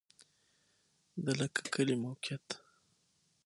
د لکه کی کلی موقعیت